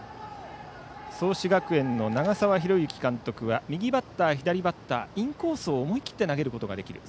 創志学園の長澤宏行監督は右バッター、左バッターインコースを思い切って投げることができる。